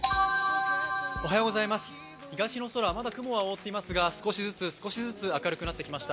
東の空、まだ雲が覆っていますが少しずつ少しずつ明るくなってきました。